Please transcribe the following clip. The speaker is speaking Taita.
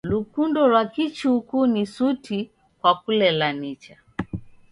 Lukundo lwa kichuku ni suti kwa kulela nicha.